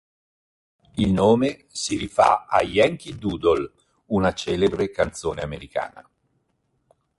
Il nome si rifà a "Yankee Doodle", una celebre canzone americana.